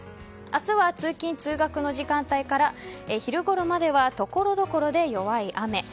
明日は通勤・通学の時間帯から昼ごろまではところどころで弱い雨。